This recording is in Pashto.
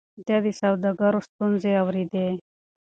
ده د سوداګرو ستونزې اورېدې.